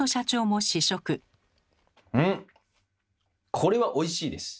これはおいしいです。